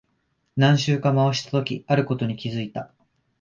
何周か回したとき、あることに気づいた。